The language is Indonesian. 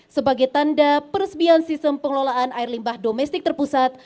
sebagai tanda peresmian sistem pengelolaan air limbah domestik terpusat